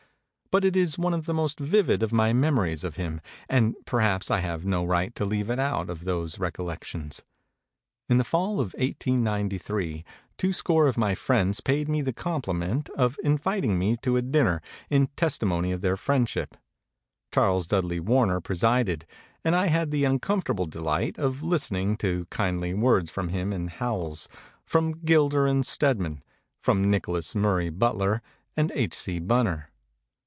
But it is one of the most vivid of my memories of him ; and per haps I have no right to leave it out of those recollections. In the fall of 1893 two score of my friends paid me the compliment of inviting me to a dinner in testimony of their friendship. Charles Dudley Warner presided, and I had the uncomfortable delight of listening to kindly words from him and Howells, from Gilder and Stedman, from Nicholas Murray Butler and H. C. Bunner.